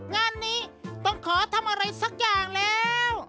งานนี้ต้องขอทำอะไรสักอย่างแล้ว